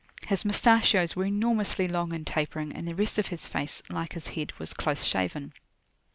His mustachios were enormously long and tapering, and the rest of his face, like his head, was close shaven.